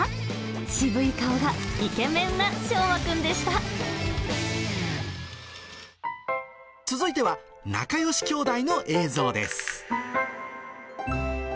渋い顔がイケメンな、しょうまく続いては、仲よしきょうだいの映像です。